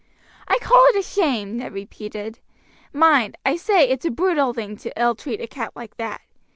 "I call it a shame!" Ned repeated. "Mind, I say it's a brutal thing to ill treat a cat like that.